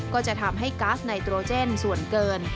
ก็จะทำให้ก๊าซไนโตรเจนส่วนเกิน